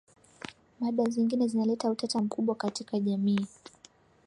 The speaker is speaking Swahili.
mada zingine zinaleta utata mkubwa katika jamii